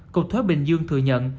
cục thuế bình dương thừa nhận